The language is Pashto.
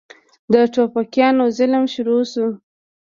د ټوپکيانو ظلم شروع سو.